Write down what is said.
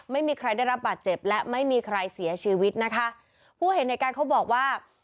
ไม่มีใครได้รับบาดเจ็บและไม่มีใครเสียชีวิตนะคะผู้เห็นเหตุการณ์เขาบอกว่า